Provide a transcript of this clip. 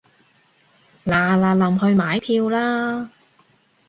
嗱嗱臨去買票啦